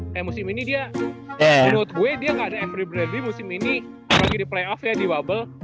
kayak musim ini dia menurut gue dia gak ada every bravy musim ini apalagi di playoff ya di bubble